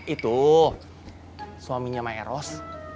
itu suaminya maeros